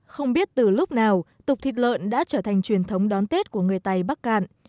không biết từ lúc nào tục thịt lợn đã trở thành truyền thống đón tết của người tây bắc cạn